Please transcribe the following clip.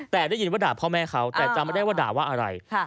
แต่ได้ยินว่าด่าพ่อแม่เขาแต่จำไม่ได้ว่าด่าว่าอะไร